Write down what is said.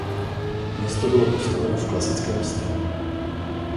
Město bylo postaveno v klasickém stylu.